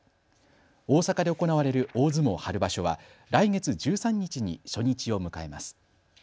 大阪で行われる大相撲春場所は来月１３日に初日を迎えます。